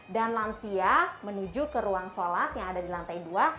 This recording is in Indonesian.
dan lansia menuju ke ruang sholat yang ada di lantai dua